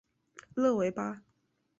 勒维巴。